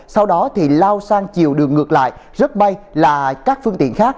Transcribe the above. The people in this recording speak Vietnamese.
sau đó thì lao sang chiều đường ngược lại rớt bay là các phương tiện khác